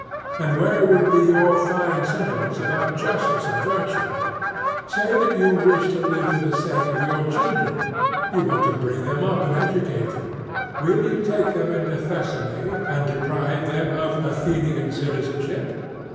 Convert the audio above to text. And where will be your fine sentiments about justice and virtue? Say that you wish to live for the sake of your children you want to bring them up and educate them will you take them into Thessaly and deprive them of Athenian citizenship?